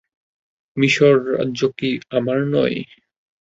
মিসর রাজ্য কি আমার নয়?